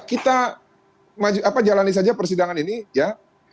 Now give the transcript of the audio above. kita jalani saja persidangan ini ya